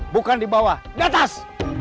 bukan di bawah di atas